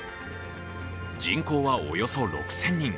人口は、およそ６０００人。